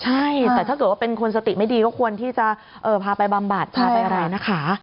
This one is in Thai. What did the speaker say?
ใช่แต่ถ้าเกิดว่าเป็นคนสติไม่ดีก็ควรที่จะพาไปบำบัดพาไปอะไรนะคะ